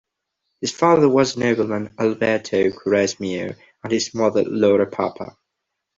His father was the nobleman Alberto Quaresmio and his mother Laura Papa.